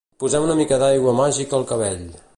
Posem una mica d'aigua màgica al cabell